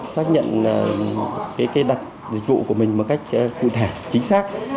xác nhận đặt dịch vụ của mình một cách cụ thể chính xác